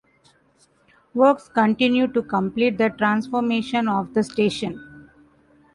Works continue to complete the transformation of the station.